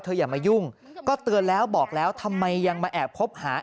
อย่ามายุ่งก็เตือนแล้วบอกแล้วทำไมยังมาแอบคบหา